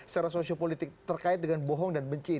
secara sosio politik terkait dengan bohong dan benci